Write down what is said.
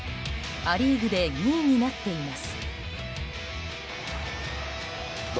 ア・リーグで２位になっています。